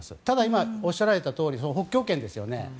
ただ、今、おっしゃられたとおり北極圏ですよね